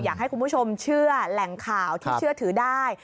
อยากให้คุณผู้ชมเชื่อแหล่งข่าวที่เชื่อถือได้